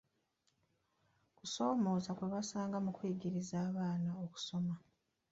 kusoomooza kwe basanga mu kuyigiriza abaana okusoma.